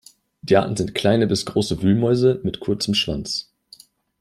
Die Arten sind kleine bis große Wühlmäuse mit kurzem Schwanz.